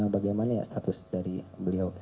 bagaimana ya status dari beliau